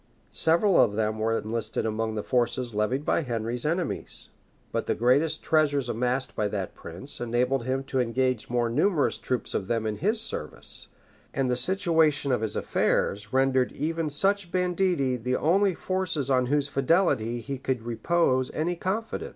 Several of them were enlisted among the forces levied by Henry's enemies; but the great treasures amassed by that prince enabled him to engage more numerous troops of them in his service; and the situation of his affairs rendered even such banditti the only forces on whose fidelity he could repose any confidence.